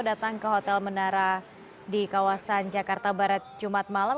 datang ke hotel menara di kawasan jakarta barat jumat malam